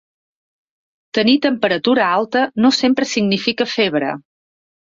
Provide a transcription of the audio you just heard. Tenir temperatura alta no sempre significa febre.